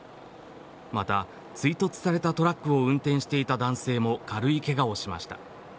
また、追突されたトラックを運転していた男性も軽いケガをしました。